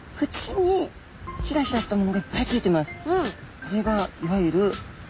これがいわゆる触手。